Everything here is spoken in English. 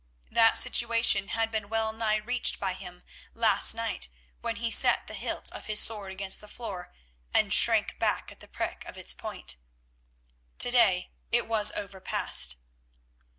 That situation had been well nigh reached by him last night when he set the hilt of his sword against the floor and shrank back at the prick of its point. To day it was overpast.